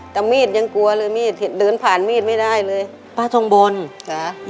แต่มีดยังกลัวเลยมีดเดินผ่านมีดไม่ได้เลยป้าทองบนนะ